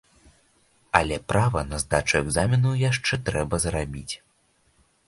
Але права на здачу экзамену яшчэ трэба зарабіць.